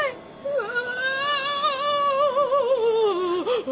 うわ。